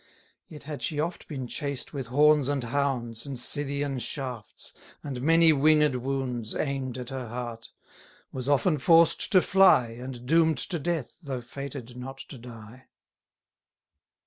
Yet had she oft been chased with horns and hounds, And Scythian shafts; and many winged wounds Aim'd at her heart; was often forced to fly, And doom'd to death, though fated not to die.